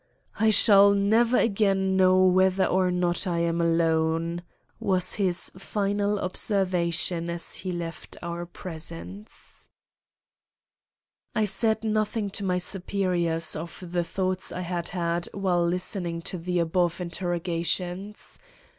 "I shall never again know whether or not I am alone," was his final observation as he left our presence. I said nothing to my superiors of the thoughts I had had while listening to the above interrogatories.